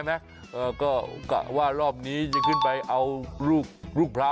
ตามเป็นรอบหน้าไม่เอาแล้วนะ